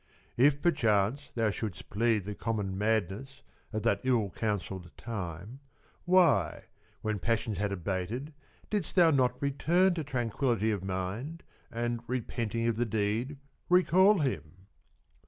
If perchance thou shouldst plead the common madness of that ill counselled time, why when passions had abated didst thou not return to tranquillity of mind, and repent ing of the deed, recall him